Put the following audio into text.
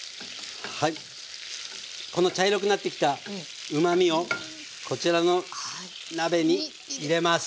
この茶色くなってきたうまみをこちらの鍋に入れます。